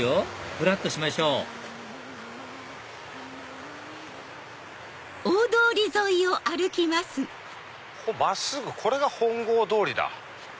ぶらっとしましょうここ真っすぐこれが本郷通りだ。